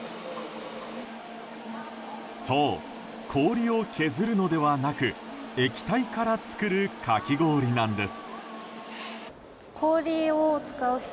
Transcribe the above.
そう、氷を削るのではなく液体から作るかき氷なんです。